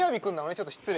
ちょっと失礼。